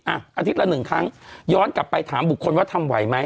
อาทิตย์ละหนึ่งครั้งย้อนกลับไปถามบุคคลว่าทำไหวไหม